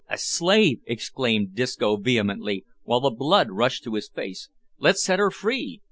"A slave!" exclaimed Disco vehemently, while the blood rushed to his face; "let's set her free!"